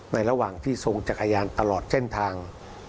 ระหว่างที่ทรงจักรยานตลอดเส้นทาง